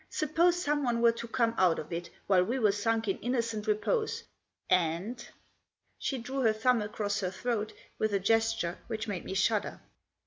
Suppose someone were to come out of it, while we were sunk in innocent repose, and " She drew her thumb across her throat with a gesture which made me shudder.